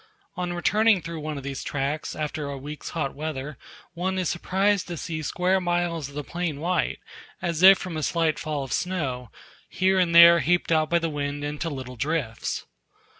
On returning through one of these tracts, after a week's hot weather, one is surprised to see square miles of the plain white, as if from a slight fall of snow, here and there heaped up by the wind into little drifts.